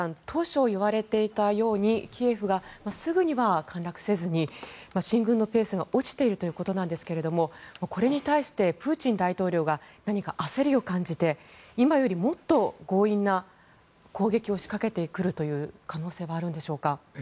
当初いわれていたようにキエフがすぐには陥落せずに進軍のペースが落ちているということですがこれに対してプーチン大統領が何か焦りを感じて今よりもっと強引な攻撃を仕掛けてくるという可能性はあるんでしょうか。